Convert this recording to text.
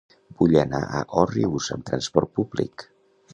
Vull anar a Òrrius amb trasport públic.